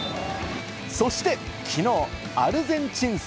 そして、きのうアルゼンチン戦。